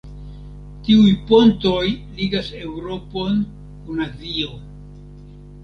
Tiuj pontoj ligas Eŭropon kun Azio.